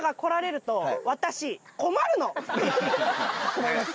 困ります？